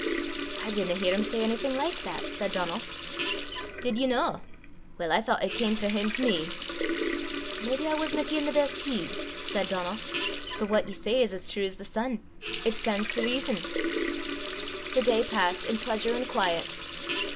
"I didna hear him say onything like that!" said Donal. "Did ye no? Weel, I thoucht it cam frae him to me!" "Maybe I wasna giein' the best heed," said Donal. "But what ye say is as true as the sun. It stan's to rizzon." The day passed in pleasure and quiet.